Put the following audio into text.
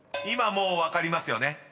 ［今もう分かりますよね？］